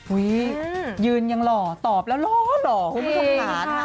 อุ๊ยยืนยังหรอตอบแล้วร้อนหรอคุณผู้ชมขาด